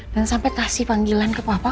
dan sampe kasih panggilan ke bapak